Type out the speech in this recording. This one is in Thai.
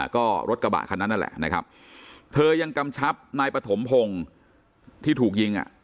ก็รถกระบะคันนั้นนั่นแหละนะครับเธอยังกำชับนายปฐมพงศ์ที่ถูกยิงอ่ะ